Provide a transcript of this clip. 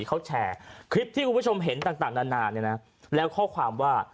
เขาแชร์คลิปที่คุณผู้ชมเห็นต่างนานาเนี่ยนะแล้วข้อความว่า